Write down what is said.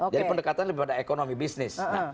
jadi pendekatan lebih pada ekonomi bisnis